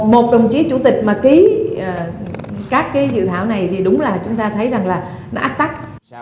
một đồng chí chủ tịch mà ký các cái dự thảo này thì đúng là chúng ta thấy rằng là nó ác tắc